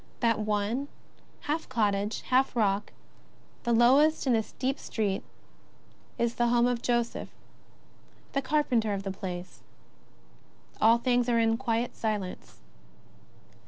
That one, half cottage, half rock, the lowest in the steep street, is the home of Joseph, the carpenter of the place. All things are in quiet silence.